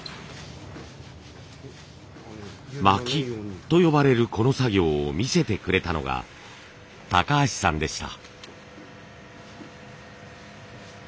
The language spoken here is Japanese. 巻きと呼ばれるこの作業を見せてくれたのが橋さんでした。